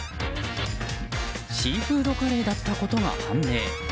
シーフードカレーだったことが判明。